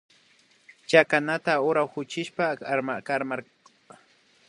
Chakanata uraykuchishpa urmarkani